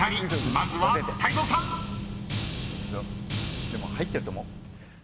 まずは泰造さん］でも入ってると思う。